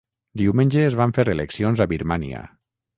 Diumenge es van fer eleccions a Birmània.